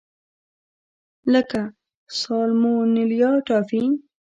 لکه سالمونیلا ټایفي.